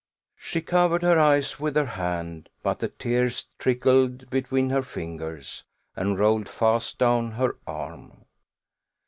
She covered her eyes with her hand, but the tears trickled between her fingers, and rolled fast down her arm.